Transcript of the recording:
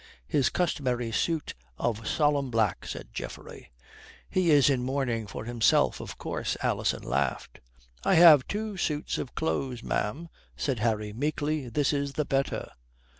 "His customary suit of solemn black," said Geoffrey. "He is in mourning for himself, of course," Alison laughed. "I have two suits of clothes, ma'am," said Harry meekly. "This is the better."